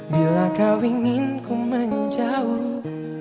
bila kau ingin ku menjauh